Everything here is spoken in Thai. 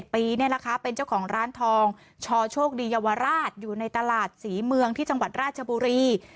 เป็นเจ้าของร้านทองชอโชคดีเยาวราชอยู่ในตลาดศรีเมืองที่จังหวัดราชบุรี